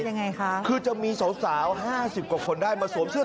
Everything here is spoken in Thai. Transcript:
ยังไงคะคือจะมีสาวสาวห้าสิบกว่าคนได้มาสวมเสื้อ